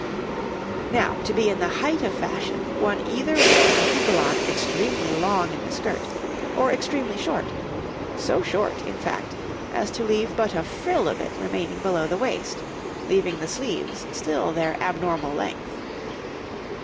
Now, to be in the height of fashion, one either wore the houppelande extremely long in the skirt or extremely short so short, in fact, as to leave but a frill of it remaining below the waist leaving the sleeves still their abnormal length.